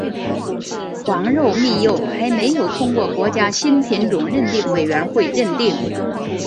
黄肉蜜柚还没有通过国家新品种认定委员会认定。